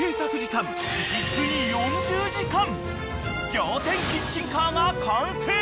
［仰天キッチンカーが完成！